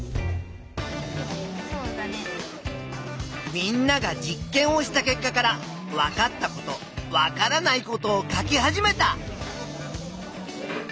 みんなが実験をした結果からわかったことわからないことを書き始めた。